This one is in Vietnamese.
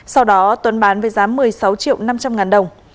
sau đó tuấn bán với giá một mươi sáu triệu năm trăm linh ngàn đồng